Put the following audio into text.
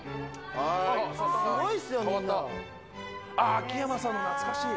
秋山さんの懐かしい。